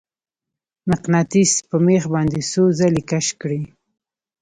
مقناطیس په میخ باندې څو ځلې کش کړئ.